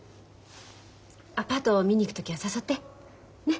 アパート見に行く時は誘って。ね？